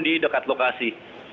namun di dekat lokasi